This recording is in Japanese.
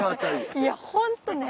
いやホントね！